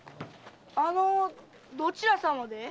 あのどちら様で？